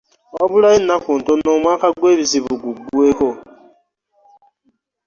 Wabulayo ennaku ntono omwaka gw'ebizibu gugweeko.